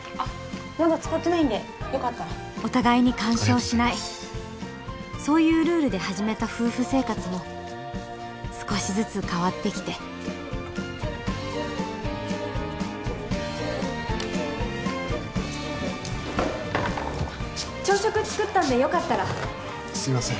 まだ使ってないんでよかったらお互いに干渉しないそういうルールで始めた夫婦生活も少しずつ変わってきて朝食作ったんでよかったらすいません